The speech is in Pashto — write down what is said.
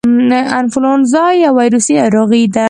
انفلونزا یو ویروسي ناروغي ده